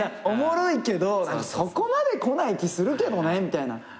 おもろいけどそこまで来ない気するけどねみたいな。